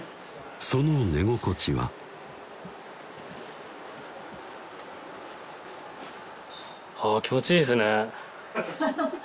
その寝心地はあぁ気持ちいいですね